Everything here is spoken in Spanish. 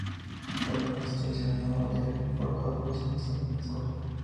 Los monjes establecieron la abadía de Fort August y más tarde una escuela.